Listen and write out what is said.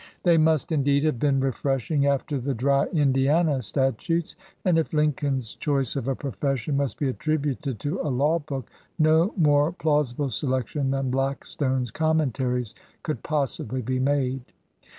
They must, indeed, have been refreshing after the dry Indiana statutes; and if Lincoln's choice of a profession must be attributed to a law book, no more plausible selection than Blackstone's Commentaries could possibly be made.